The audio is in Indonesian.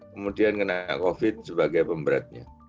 kemudian kena covid sembilan belas sebagai pemberatnya